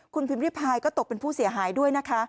คุณพิมพิพายก็ตกเป็นผู้เสียหายด้วยนะคะ